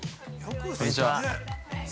こんにちは。